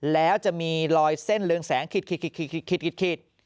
แล้วจะมีลอยเส้นเรืองแสงขีด